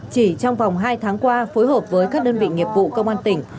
chỉ trong vòng hai tháng qua phối hợp với các đơn vị nghiệp vụ công an tỉnh